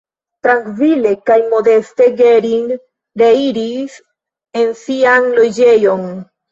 Trankvile kaj modeste Gering reiris en sian loĝejon.